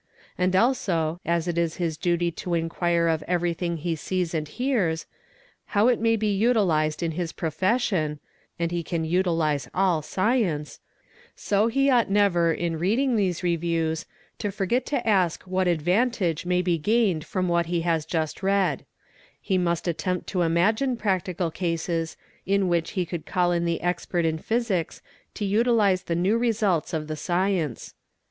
And also as it is his duty to inquire of everything he sees and hears, how it may be utilised in his profession — (and he can utilise all science), so he ought never in reading these reviews to forget to ask what advantage may be gained from what he — has just read; he must attempt to imagine practical cases in which he could call in the expert in physics to utilise the new results of the — science.